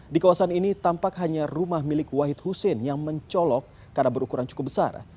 di kawasan ini tampak hanya rumah milik wahid hussein yang mencolok karena berukuran cukup besar